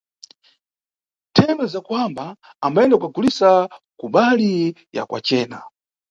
Ntheme za kuwamba ambayenda kukagulisa kubali ya kwacena.